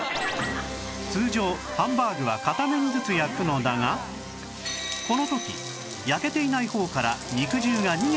通常ハンバーグは片面ずつ焼くのだがこの時焼けていない方から肉汁が逃げてしまう